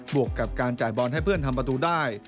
วกกับการจ่ายบอลให้เพื่อนทำประตูได้